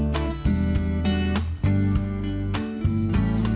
tổ chức ngoại trưởng